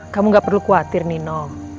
kamu gak perlu khawatir nino